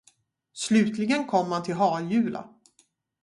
Slutligen kom man till Harjula.